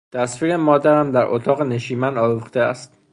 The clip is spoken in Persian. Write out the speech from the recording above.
تصویر مادرم در اتاق نشیمن آویخته است.